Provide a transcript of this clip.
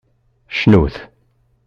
Cnut!